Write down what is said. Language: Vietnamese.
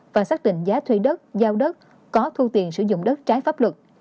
và xác định giá thuê đất giao đất có thu tiền sử dụng đất trái pháp luật